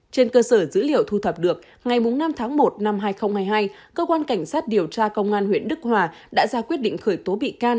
trên cơ sở dữ liệu thu thập được ngày năm tháng một năm hai nghìn hai mươi hai cơ quan cảnh sát điều tra công an huyện đức hòa đã ra quyết định khởi tố bị can